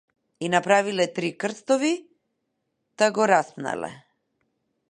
И направиле три крстови та го распнале.